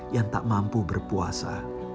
yang tak mampu berpuasa